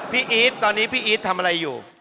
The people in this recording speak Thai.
อีทตอนนี้พี่อีททำอะไรอยู่